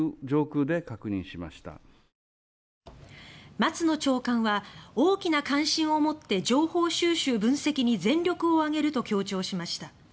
松野長官は大きな関心を持って情報収集・分析に全力を挙げると強調しました。